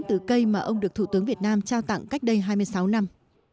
từ cây mà ông được thủ tướng việt nam trao tặng cách đây hai mươi sáu năm